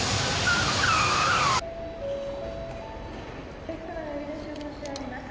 「お客様のお呼び出しを申し上げます」